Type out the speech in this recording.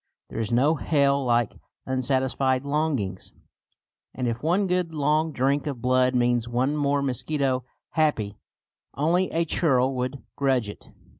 There is no hell like unsatisfied longings; and if one good long drink of blood means one more mosquito happy, only a churl would grudge it.